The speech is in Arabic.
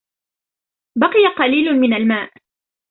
بقي قليل من الماء.